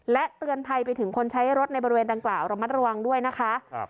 และเตือนภัยไปถึงคนใช้รถในบริเวณดังกล่าวระมัดระวังด้วยนะคะ